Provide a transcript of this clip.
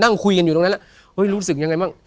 นั่งคุยกันอยู่ตรงนั้นแล้วเฮ้ยรู้สึกยังไงบ้าง